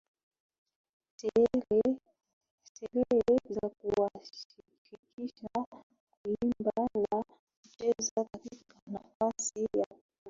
sherehe za kuwashirikisha kuimba na kucheza katika nafasi ya ukeketaji